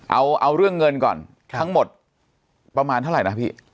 เอาเรื่องเงินก่อนทั้งหมดประมาณเท่าไหร่นะพี่